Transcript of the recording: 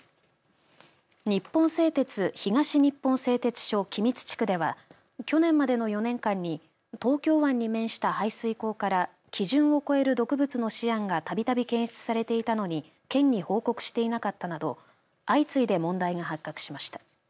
日本製鉄東日本製鉄所君津地区では去年までの４年間に東京湾に面した排水溝から基準を超える毒物のシアンがたびたび検出されていたのに県に報告していなかったなど相次いで問題が発覚しました。